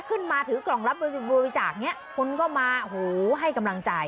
ขึ้นมาถือกล่องรับบริจาคเนี่ยคุณก็มาโอ้โฮให้กำลังใจ